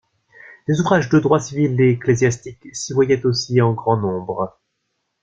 Des ouvrages de droit civil et ecclésiastique s'y voyaient aussi en grand nombre.